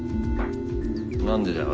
何でだよ？